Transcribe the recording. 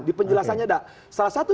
di penjelasannya ada salah satu